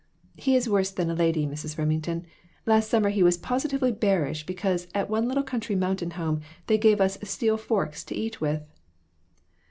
He is worse than a lady, Mrs. Remington; last summer he was positively bearish because, at one little country mountain house, they gave us steel forks to eat with."